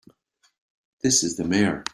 This is the Mayor.